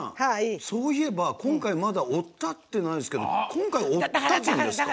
そういえば、今回おっ立ってないですけど今回は、おっ立つんですか？